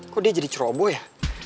kok dia jadi ceroboh ya